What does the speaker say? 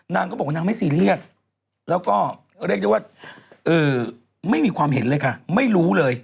นางก็บอกว่านางไม่ซีเรียสแล้วก็เรียกได้ว่าไม่มีความเห็นเลยค่ะไม่รู้เลย